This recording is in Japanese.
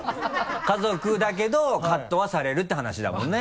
家族だけどカットはされるって話だもんね。